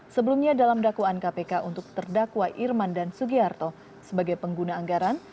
sebelumnya dalam dakwaan kpk untuk terdakwa irman dan sugiarto sebagai pengguna anggaran